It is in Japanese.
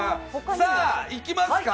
さあ、いきますか。